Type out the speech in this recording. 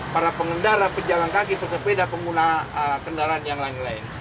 para pengendara pejalan kaki pesepeda pengguna kendaraan yang lain lain